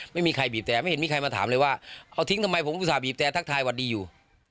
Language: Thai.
ไม่มีใครบีบแต่ไม่เห็นมีใครมาถามเลยว่าเอาทิ้งทำไมผมอุตส่าหีบแต่ทักทายวัดดีอยู่